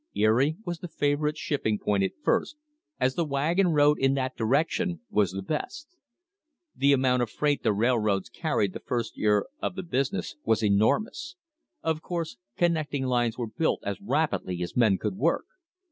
Erie was the favourite shipping point at first, as the wagon road in that direction was the best. The amount of freight the railroads carried the first year of the business was enormous. Of course connecting lines were built as rapidly as men could work.